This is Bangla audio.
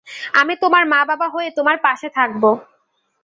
আমি তোমার মা বাবা হয়ে তোমার পাশে থাকব।